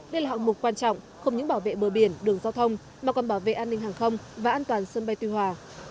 đây là hạng mục quan trọng không những bảo vệ bờ biển đường giao thông mà còn bảo vệ an ninh hàng không và an toàn sân bay tuy hòa